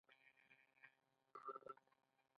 د عقل ماتې تسلیم زېږوي.